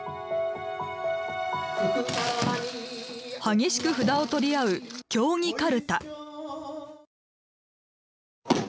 激しく札を取り合う「競技かるた」。